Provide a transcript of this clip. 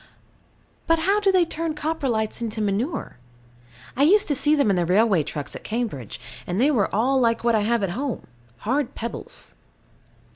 But how do they turn Coprolites into manure? I used to see them in the railway trucks at Cambridge, and they were all like what I have at home hard pebbles.